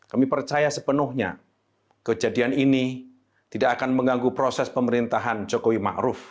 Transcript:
kami percaya sepenuhnya kejadian ini tidak akan mengganggu proses pemerintahan jokowi maju